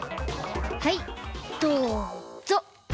はいどうぞ！